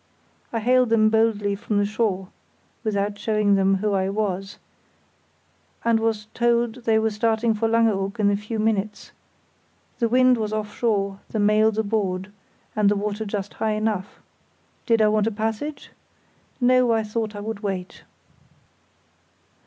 I hailed them boldly from the shore (without showing them who I was), and was told they were starting for Langeoog in a few minutes; the wind was off shore, the mails aboard, and the water just high enough. "Did I want a passage?" "No, I thought I would wait."